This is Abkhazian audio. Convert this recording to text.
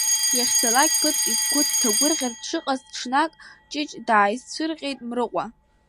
Иахьцалак ԥыҭк игәы дҭагәырӷьартә дшыҟаз, ҽнак Ҷыҷ дааизцәырҟьеит Мрыҟәа.